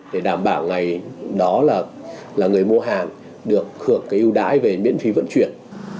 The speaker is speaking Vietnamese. để đảm bảo ngày đó là người mua hàng được hưởng cái ưu đãi về miễn phí vận chuyển